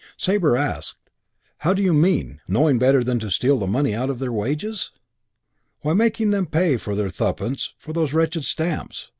Sabre asked, "How do you mean knowing better than to steal the money out of their wages?" "Why, making them pay their thruppence for those wretched stamps.